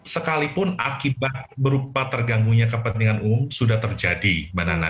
sekalipun akibat berupa terganggunya kepentingan umum sudah terjadi mbak nana